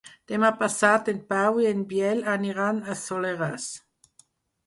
Demà passat en Pau i en Biel aniran al Soleràs.